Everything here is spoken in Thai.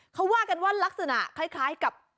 เค้าว่าลักษณะคล้ายกับ